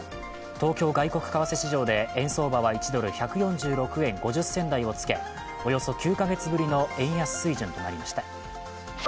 東京外国為替市場で円相場は１ドル＝１４６円５０銭台をつけ、およそ９か月ぶりの円安水準となりました。